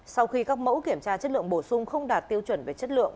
sau khi các mẫu kiểm tra chất lượng bổ sung không đạt tiêu chuẩn về chất lượng